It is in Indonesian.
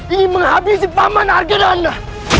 ingin menghabisi paman harga dana